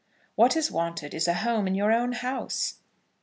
"What is wanted is a home in your own house."